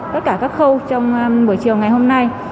tất cả các khâu trong buổi chiều ngày hôm nay